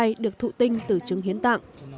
người mang thai được thụ tinh tử chứng hiến tặng